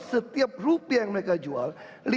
setiap rupiah yang mereka jual